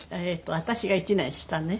私が１年下ね。